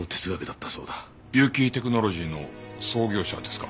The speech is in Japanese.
結城テクノロジーの創業者ですか？